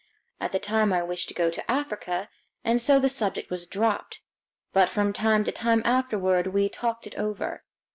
At the time I wished to go to Africa, and so the subject was dropped; but from time to time afterward we talked it over.